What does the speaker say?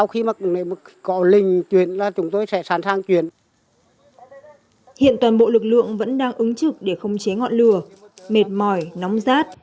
hiện toàn bộ lực lượng vẫn đang ứng trực để không chế ngọn lửa mệt mỏi nóng rát